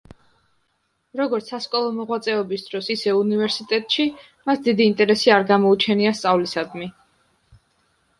როგორც სასკოლო მოღვაწეობის დროს, ისე უნივერსიტეტში მას დიდი ინტერესი არ გამოუჩენია სწავლისადმი.